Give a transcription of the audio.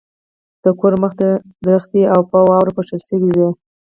د کور مخې ته ونې هم په واورو پوښل شوې وې.